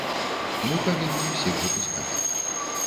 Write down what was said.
Мы павінны ўсіх запускаць.